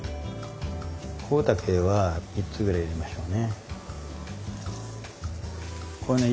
コウタケは３つぐらい入れましょうね。